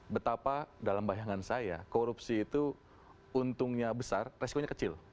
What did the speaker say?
betapa dalam bayangan saya korupsi itu untungnya besar resikonya kecil